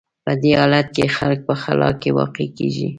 په دې حالت کې خلک په خلا کې واقع کېږي.